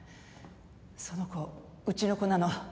その子うちの子なの。